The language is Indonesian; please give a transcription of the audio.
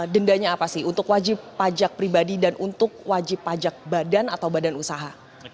dendanya apa sih untuk wajib pajak pribadi dan untuk wajib pajak badan atau badan usaha